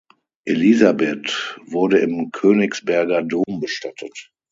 Elisabeth wurde im Königsberger Dom bestattet.